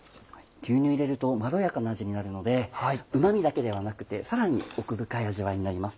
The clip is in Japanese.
牛乳入れるとまろやかな味になるのでうま味だけではなくてさらに奥深い味わいになります。